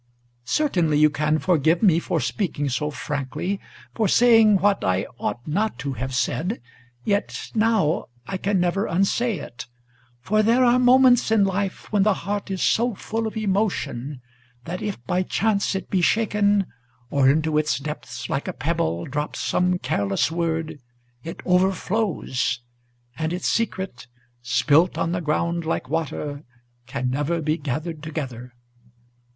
Certainly you can forgive me for speaking so frankly, for saying What I ought not to have said, yet now I can never unsay it; For there are moments in life, when the heart is so full of emotion, That if by chance it be shaken, or into its depths like a pebble Drops some careless word, it overflows, and its secret, Spilt on the ground like water, can never be gathered together.